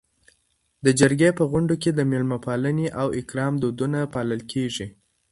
د جرګې په غونډو کي د میلمه پالنې او اکرام دودونه پالل کيږي.